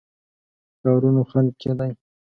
کارونو خنډ کېدی.